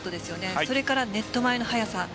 それからネット前の速さ。